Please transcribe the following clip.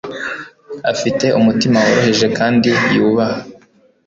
afite umutima woroheje kandi yubaha